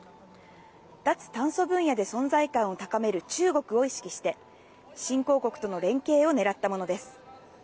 脱炭素分野で存在感を高める中国を意識して、新興国との連携をねらったものです。